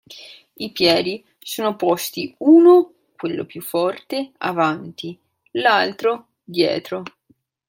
I piedi sono posti uno (quello più forte) avanti, l'altro dietro.